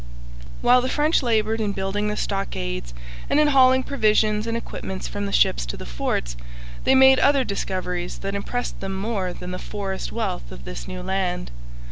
While the French laboured in building the stockades and in hauling provisions and equipments from the ships to the forts, they made other discoveries that impressed them more than the forest wealth of this new land.